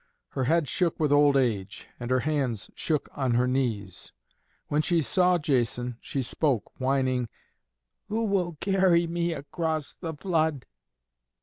Her head shook with old age, and her hands shook on her knees. When she saw Jason, she spoke, whining, "Who will carry me across the flood?"